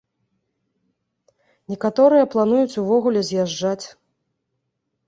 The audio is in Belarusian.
Некаторыя плануюць увогуле з'язджаць.